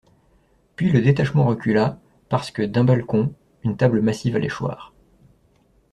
Puis le détachement recula parce que, d'un balcon, une table massive allait choir.